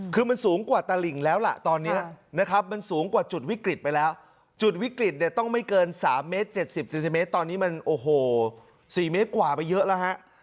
คือมันสูงกว่าตลิ่งแล้วล่ะตอนนี้นะครับมันสูงกว่าจุดวิกฤตไปแล้วจุดวิกฤตเนี่ยต้องไม่เกิน๓เมตร๗๐เซนติเมตรตอนนี้มันโอ้โห๔เมตรกว่าไปเยอะแล้วฮะ